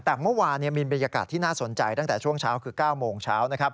แต่เมื่อวานมีบรรยากาศที่น่าสนใจตั้งแต่ช่วงเช้าคือ๙โมงเช้านะครับ